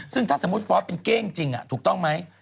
ซึ่งถ้าสมมุติฟอสเป็นเก้งจริงถูกต้องไหม